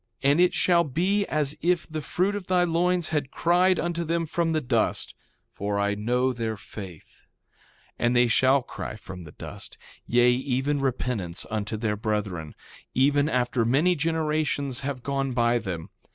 And it shall be as if the fruit of thy loins had cried unto them from the dust; for I know their faith. 3:20 And they shall cry from the dust; yea, even repentance unto their brethren, even after many generations have gone by them.